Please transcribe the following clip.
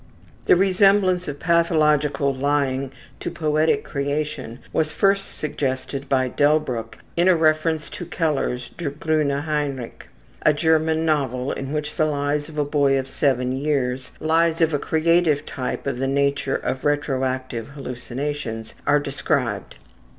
The resemblance of pathological lying to poetic creation was first suggested by Delbruck in a reference to Keller's ``Der grune Heinrich,'' a German novel in which the lies of a boy of seven years, lies of a creative type of the nature of retroactive hallucinations, are described.